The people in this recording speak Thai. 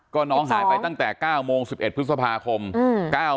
ก็น้องหายไปตั้งแต่เก้ามงสิบเอ็ดพฤษภาคมอืม